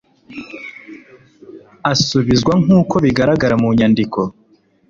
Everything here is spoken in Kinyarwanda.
asubizwa nk uko bigaragara mu nyandiko